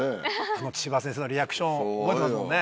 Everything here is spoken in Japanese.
あの千葉先生のリアクション覚えてますもんね。